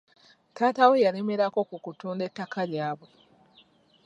Taata we yalemerako ku kutunda ettaka lyabwe.